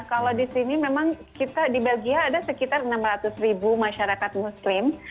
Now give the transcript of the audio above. kalau di sini memang kita di belgia ada sekitar enam ratus ribu masyarakat muslim